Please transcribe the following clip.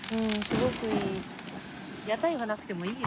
すごくいい。